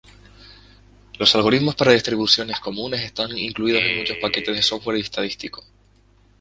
Los algoritmos para distribuciones comunes están incluidos en muchos paquetes de software estadístico.